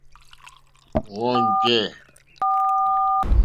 Wɔ́ɔ̂ njɛ̂.